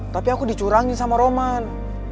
tapi aku dicurangi sama roman